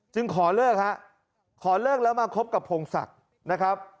ขอเลิกฮะขอเลิกแล้วมาคบกับพงศักดิ์นะครับ